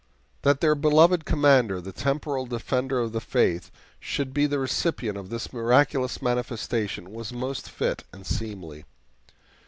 That their beloved Commander, the temporal defender of the Faith, should be the recipient of this miraculous manifestation was most fit and seemly.